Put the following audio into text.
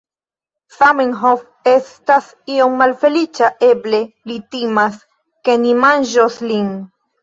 Zamenhof estas iom malfeliĉa eble li timas, ke ni manĝos lin